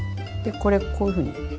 でこれこういうふうに。